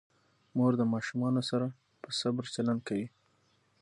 مور د ماشومانو سره په صبر چلند کوي.